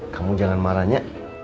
kamu jangan marahnya